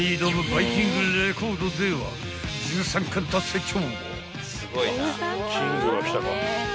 バイキングレコードでは１３冠達成中］